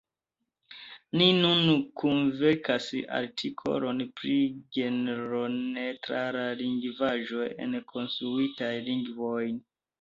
Ni nun kunverkas artikolon pri genroneŭtrala lingvaĵo en konstruitaj lingvoj.